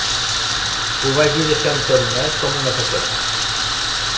Ho vagi deixant tot net com una patena.